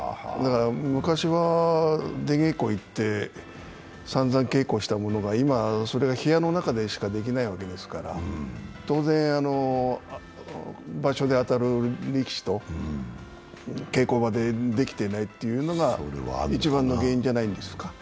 昔は出稽古行って、さんざん稽古したものが今はそれが部屋の中でしかできないわけですから、当然、場所で当たる力士と稽古場でできてないというのが一番の原因じゃないですか。